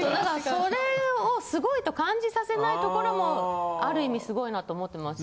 それをすごいと感じさせないところもある意味すごいなと思ってますし。